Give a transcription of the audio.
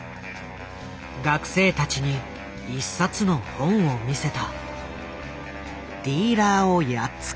学生たちに１冊の本を見せた。